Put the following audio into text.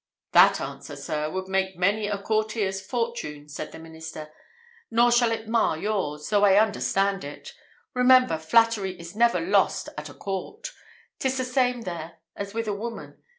"That answer, sir, would make many a courtier's fortune," said the minister; "nor shall it mar yours, though I understand it. Remember, flattery is never lost at a court! 'Tis the same there as with a woman.